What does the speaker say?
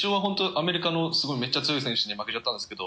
アメリカのすごいめっちゃ強い選手に負けちゃったんですけど。